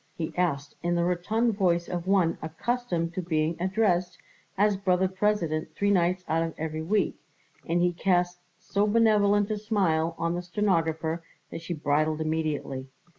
he asked in the rotund voice of one accustomed to being addressed as Brother President three nights out of every week, and he cast so benevolent a smile on the stenographer that she bridled immediately.